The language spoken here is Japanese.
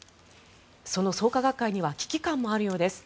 その創価学会には危機感もあるようです。